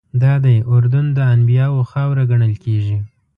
دادی اردن د انبیاوو خاوره ګڼل کېږي.